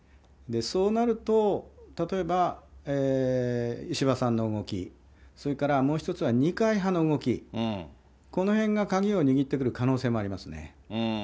そうなると、例えば石破さんの動き、それからもう１つは二階派の動き、このへんが鍵を握ってくる可能性もありますね。